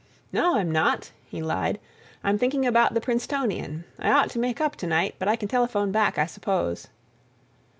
"No, I'm not," he lied. "I'm thinking about the Princetonian. I ought to make up to night; but I can telephone back, I suppose."